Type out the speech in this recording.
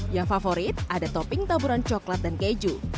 yang favorit ada topping taburan coklat dan keju